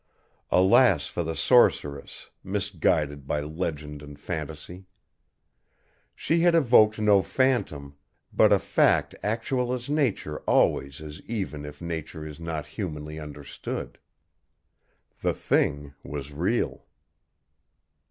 Alas for the sorceress, misguided by legend and fantasy! She had evoked no phantom, but a fact actual as nature always is even if nature is not humanly understood. The Thing was real.